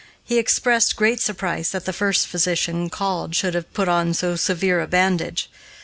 He expressed great surprise that the first physician called should have put on so severe a bandage.